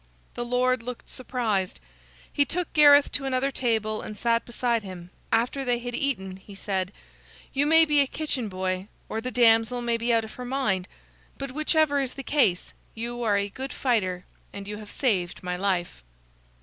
The lord looked surprised. He took Gareth to another table and sat beside him. After they had eaten, he said: "You may be a kitchen boy, or the damsel may be out of her mind, but whichever is the case, you are a good fighter and you have saved my life."